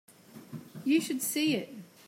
You should see it.